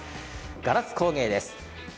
ガラス工芸です。